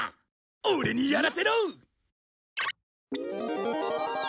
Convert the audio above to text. オレにやらせろ！